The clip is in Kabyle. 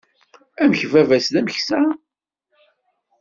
Amek baba-s d ameksa?